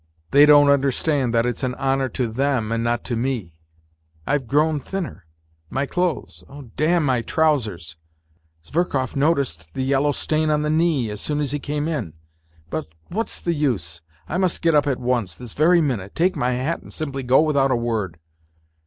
They don't understand that it's an honour to them and not to me ! I've grown thinner ! My clothes ! Oh, damn my trousers ! Zverkov noticed the yellow stain on the knee as soon as he came in. ... But what's the use ! I must get up at once, this very minute, take my hat and simply go without a word